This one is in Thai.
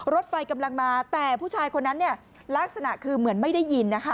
รถไฟกำลังมาแต่ผู้ชายคนนั้นเนี่ยลักษณะคือเหมือนไม่ได้ยินนะคะ